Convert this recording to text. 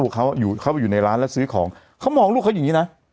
เขาเข้าไปอยู่ในร้านแล้วซื้อของเขามองลูกเขาอย่างนี้นะ